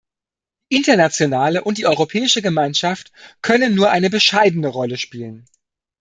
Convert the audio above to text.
Die internationale und die Europäische Gemeinschaft können nur eine bescheidene Rolle spielen.